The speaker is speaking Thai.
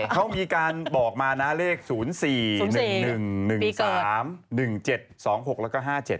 เขามีการบอกมานะเลข๐๔๑๑๑๓๑๗๒๖แล้วก็๕๗